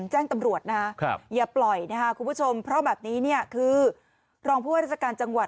แจ้งตำรวจนะฮะอย่าปล่อยนะคะคุณผู้ชมเพราะแบบนี้เนี่ยคือรองผู้ว่าราชการจังหวัด